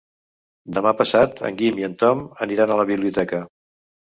Demà passat en Guim i en Tom aniran a la biblioteca.